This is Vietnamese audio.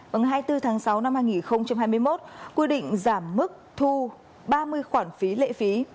vâng hai mươi bốn tháng sáu năm hai nghìn hai mươi một quy định giảm mức thu ba mươi khoản phí lệ phí